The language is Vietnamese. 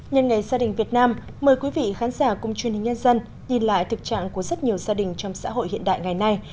nhân ngày gia đình việt nam mời quý vị khán giả cùng truyền hình nhân dân nhìn lại thực trạng của rất nhiều gia đình trong xã hội hiện đại ngày nay